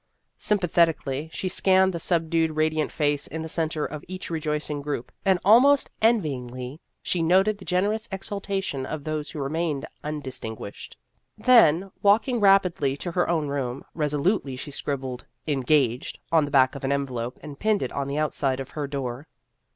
Sympathetically she scanned the subduedly radiant face in the centre of each rejoicing group, and almost envyingly she noted the generous exulta tion of those who remained undistin guished. Then, walking rapidly to her own room, resolutely she scribbled " Engaged " on the back of an envelope, and pinned it on the outside of her door.